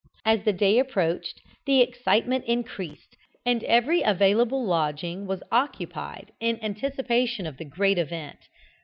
As the day approached, the excitement increased, and every available lodging was occupied in anticipation of the great event.